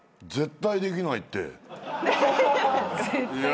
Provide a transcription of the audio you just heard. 絶対できないって。